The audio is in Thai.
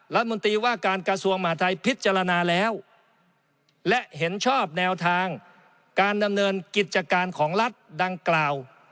รัฐมนตรีว่าการกระทรวงมหาทัยพิจารณาแล้วและเห็นชอบแนวทางการดำเนินกิจการของรัฐดังกล่าว